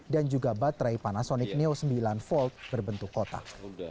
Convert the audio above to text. dan juga baterai panasonic neo sembilan v berbentuk kotak